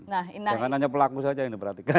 jangan hanya pelaku saja yang diperhatikan